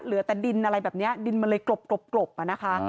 เหลือแต่ดินอะไรแบบนี้ดินมันเลยกลบอะนะคะ